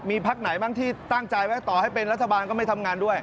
มีพักไหนบ้างที่ตั้งใจไว้ต่อให้เป็นรัฐบาลก็ไม่ทำงานด้วย